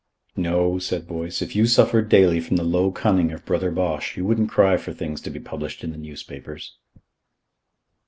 "No," said Boyce, "if you suffered daily from the low cunning of Brother Bosch, you wouldn't cry for things to be published in the newspapers."